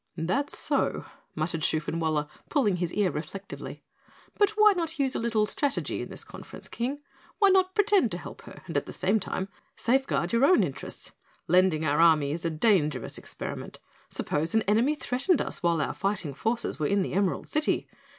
"That's so," muttered Shoofenwaller, pulling his ear reflectively. "But why not use a little strategy in this conference, King? Why not pretend to help her and at the same time safeguard your own interests? Lending our army is a dangerous experiment. Suppose an enemy threatened us while our fighting forces were in the Emerald City?